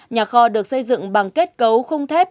nhà kho được xây dựng bằng kết cấu khung thép